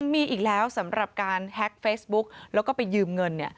มีอีกแล้วสำหรับการแฮ็กเฟซบุ๊กแล้วก็ไปยืมเงิน